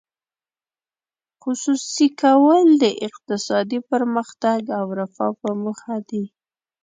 خصوصي کول د اقتصادي پرمختګ او رفاه په موخه دي.